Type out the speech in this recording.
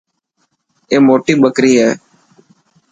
اي موٽي ٻڪري هي.